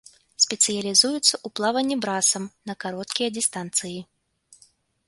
Спецыялізуецца ў плаванні брасам на кароткія дыстанцыі.